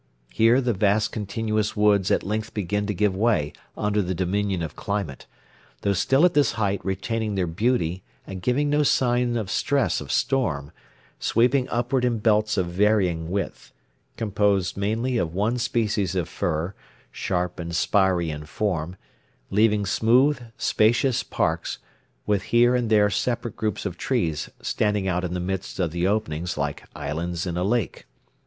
Here the vast continuous woods at length begin to give way under the dominion of climate, though still at this height retaining their beauty and giving no sign of stress of storm, sweeping upward in belts of varying width, composed mainly of one species of fir, sharp and spiry in form, leaving smooth, spacious parks, with here and there separate groups of trees standing out in the midst of the openings like islands in a lake.